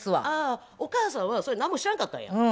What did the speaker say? ああお母さんはそれ何も知らんかったんや。